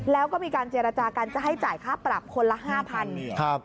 แล้วก็มีการเจรจากันจะให้จ่ายค่าปรับคนละ๕๐๐บาท